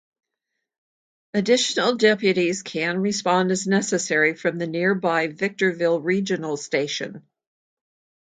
Additional deputies can respond as necessary from the nearby Victorville Regional Station.